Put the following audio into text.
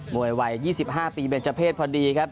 มวยไว๒๕ปีเบนเจอร์เพศพอดีครับ